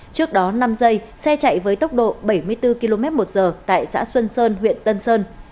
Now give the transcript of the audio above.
trước đó năm giây xe chạy với tốc độ bảy mươi bốn km một giờ tại xã xuân sơn huyện tân sơn